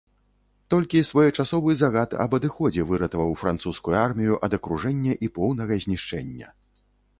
Толькі своечасовы загад аб адыходзе выратаваў французскую армію ад акружэння і поўнага знішчэння.